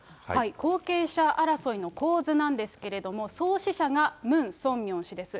後継者争いの構図なんですけれども、創始者がムン・ソンミョン氏です。